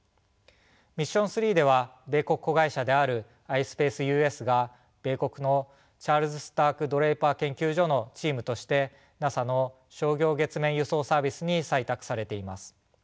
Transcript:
ミッション３では米国子会社であるｉｓｐａｃｅＵ．Ｓ．が米国のチャールズ・スターク・ドレイパー研究所のチームとしてＮＡＳＡの商業月面輸送サービスに採択されています。